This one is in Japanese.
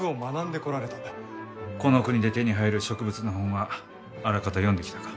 この国で手に入る植物の本はあらかた読んできたか？